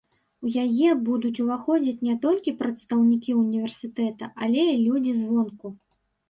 У яе будуць уваходзіць не толькі прадстаўнікі універсітэта, але і людзі звонку.